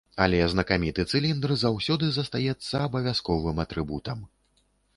Але знакаміты цыліндр заўсёды застаецца абавязковым атрыбутам.